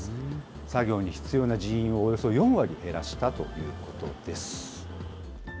作業に必要な人員をおよそ４割減らしたということです。